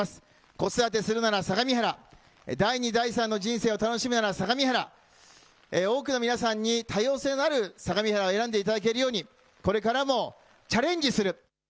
子育てするなら相模原、第２、第３の人生を楽しむなら相模原、多くの皆さんに多様性のある相模原を選んでいただけるようにこれからもチャレンジする。